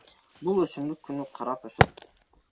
Бул өсүмдүк күндү карап өсөт.